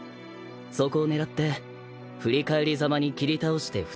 そこを狙って振り返りざまに斬り倒して再び走る。